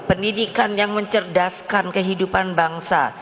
pendidikan yang mencerdaskan kehidupan bangsa